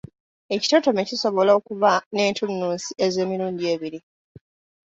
Ekitontome kisobola okuba n'entunnunsi ez’emirundi ebiri.